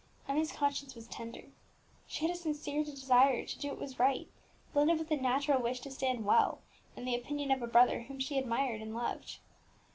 Emmie's conscience was tender; she had a sincere desire to do what was right, blended with a natural wish to stand well in the opinion of a brother whom she admired and loved.